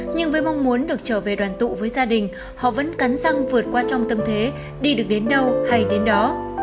nhưng với mong muốn được trở về đoàn tụ với gia đình họ vẫn cắn răng vượt qua trong tâm thế đi được đến đâu hay đến đó